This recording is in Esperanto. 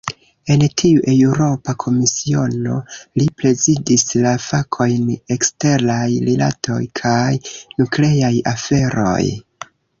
En tiu Eŭropa Komisiono, li prezidis la fakojn "eksteraj rilatoj kaj nukleaj aferoj".